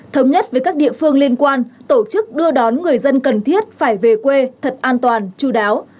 thống nhất với các địa phương liên quan tổ chức đưa đón người dân cần thiết phải về quê thật an toàn chú đáo